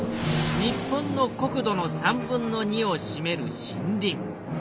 日本の国土の３分の２をしめる森林。